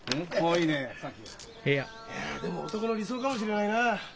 いやでも男の理想かもしれないなあ。